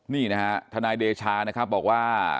นี่นะคะทนายดเช้าบอกว่า